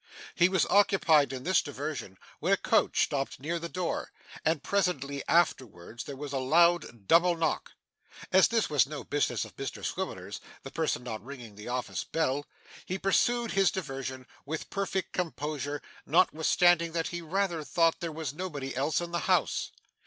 He was occupied in this diversion when a coach stopped near the door, and presently afterwards there was a loud double knock. As this was no business of Mr Swiveller's, the person not ringing the office bell, he pursued his diversion with perfect composure, notwithstanding that he rather thought there was nobody else in the house.